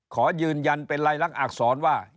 ขอยืนยันเป็นไรรักอักษรว่า